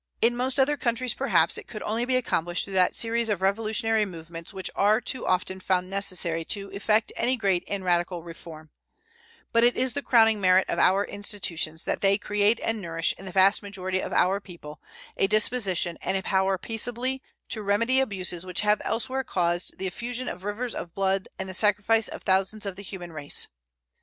In most other countries, perhaps, it could only be accomplished through that series of revolutionary movements which are too often found necessary to effect any great and radical reform; but it is the crowning merit of our institutions that they create and nourish in the vast majority of our people a disposition and a power peaceably to remedy abuses which have elsewhere caused the effusion of rivers of blood and the sacrifice of thousands of the human race.